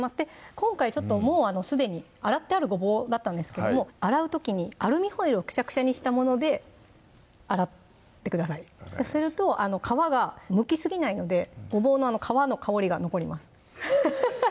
今回ちょっともうすでに洗ってあるごぼうだったんですが洗う時にアルミホイルをくしゃくしゃにしたもので洗ってくださいすると皮がむきすぎないのでごぼうの皮の香りが残ります